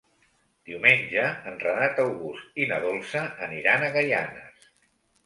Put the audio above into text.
Diumenge en Renat August i na Dolça aniran a Gaianes.